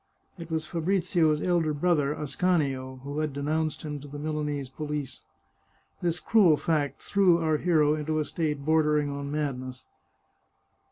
It was Fabrizio's elder brother, Ascanio, who had denounced him to the Milanese police. This cruel fact threw our hero into a state bordering on madness.